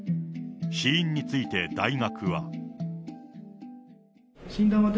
死因について大学は。